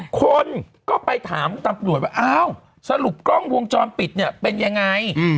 คนก็ไปถามตำรวจว่าอ้าวสรุปกล้องวงจรปิดเนี่ยเป็นยังไง